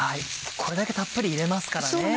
これだけたっぷり入れますからね。